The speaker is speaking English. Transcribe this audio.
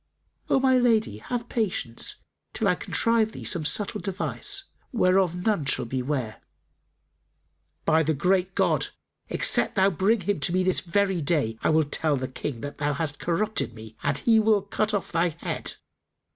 "O my lady, have patience till I contrive thee some subtle device, whereof none shall be ware." "By the Great God, except thou bring him to me this very day, I will tell the King that thou hast corrupted me, and he will cut off thy head!"